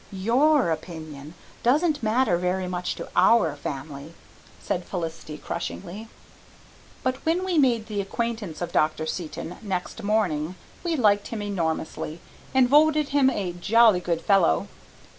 "YOUR opinion doesn't matter very much to our family," said Felicity crushingly. But when we made the acquaintance of Dr. Seton next morning we liked him enormously, and voted him a jolly good fellow.